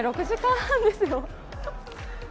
６時間半ですよ。